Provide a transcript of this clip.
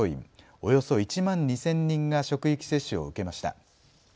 およそ１万２０００人が職域接種を受けました。